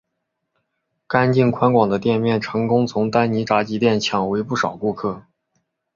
干净宽广的店面成功从丹尼炸鸡店抢回不少顾客。